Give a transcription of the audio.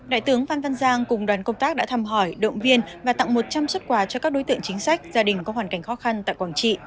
đại tướng phan văn giang cùng đoàn công tác đã thăm hỏi động viên và tặng một trăm linh xuất quà cho các đối tượng chính sách gia đình có hoàn cảnh khó khăn tại quảng trị